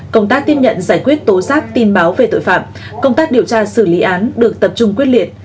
công tác tiếp nhận giải quyết tố giác tin báo về tội phạm công tác điều tra xử lý án được tập trung quyết liệt